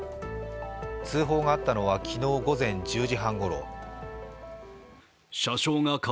通報があったのは昨日午前１０時半ごろ。